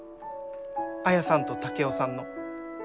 綾さんと竹雄さんの。